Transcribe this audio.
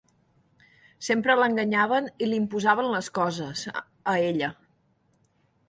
Sempre l'enganyaven i li imposaven les coses, a ella.